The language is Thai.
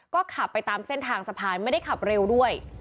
ก็ขับไปตามเส้นทางสะพานไม่ได้ขับเร็วด้วย